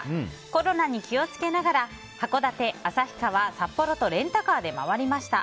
コロナに気を付けながら函館、旭川札幌とレンタカーで回りました。